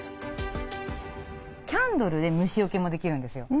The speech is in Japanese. キャンドルで虫よけもできるんですよ。